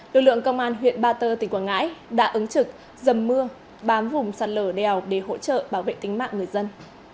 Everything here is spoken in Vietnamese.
lực lượng công an huyện ba tơ tỉnh quảng ngãi đã ứng trực dầm mưa bám vùng sạt lở đèo để hỗ trợ bảo vệ tính mạng người dân